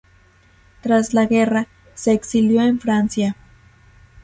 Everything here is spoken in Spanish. Tras la guerra, se exilió en Francia.